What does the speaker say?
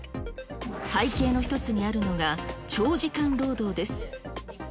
背景の一つにあるのが、長時間労働です。